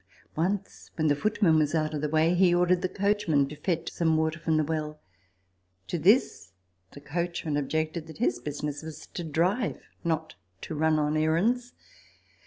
Once, when the footman was out of the way, he ordered the coachman to fetch some water from the well. To this the coachman objected, that his business was to drive, not to run on errands.